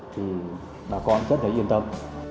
thì bà con rất là yên tâm